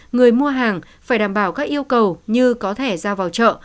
người mua hàng phải đảm bảo các yêu cầu như có thẻ ra vào chợ